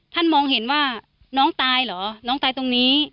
มองเห็นว่าน้องตายเหรอน้องตายตรงนี้